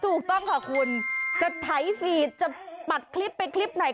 ถูกต้องค่ะคุณจะไถฟีดจะปัดคลิปไปคลิปไหน